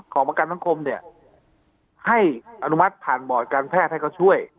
ประกันสังคมเนี่ยให้อนุมัติผ่านบอร์ดการแพทย์ให้เขาช่วย